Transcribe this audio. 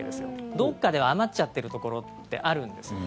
どこかで余っちゃってるところってあるんです。